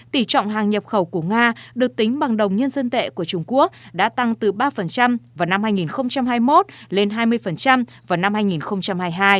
tỷ trọng hàng nhập khẩu của nga được tính bằng đồng nhân dân tệ của trung quốc đã tăng từ ba vào năm hai nghìn hai mươi một lên hai mươi vào năm hai nghìn hai mươi hai